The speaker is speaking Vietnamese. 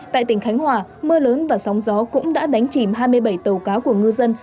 tại tỉnh khánh hòa mưa lớn và sóng gió cũng đã đánh chìm hai mươi bảy tàu cá của ngư dân